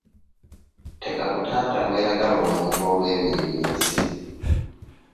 Tekakutanda n'oyagala omuntu olw'ebyo eby'ensi.